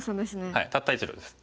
はいたった１路です。